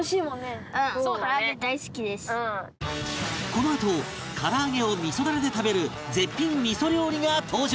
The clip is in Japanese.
このあと唐揚げを味噌ダレで食べる絶品味噌料理が登場！